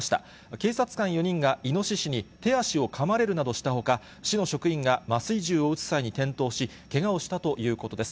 警察官４人がイノシシに手足をかまれるなどしたほか、市の職員が麻酔銃を撃つ際に転倒し、けがをしたということです。